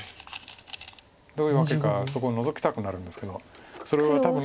どういうわけかそこノゾきたくなるんですけどそれは多分。